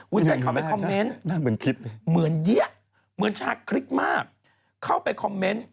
เต้นเข้าไปคอมเมนต์เหมือนเยี้ยเหมือนชาคริกมากเข้าไปคอมเมนต์